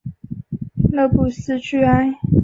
勒布斯屈埃。